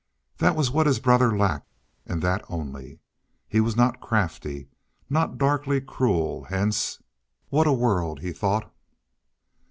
That was what his brother lacked, and that only. He was not crafty; not darkly cruel, hence. "What a world!" he thought.